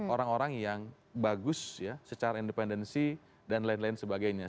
orang orang yang bagus ya secara independensi dan lain lain sebagainya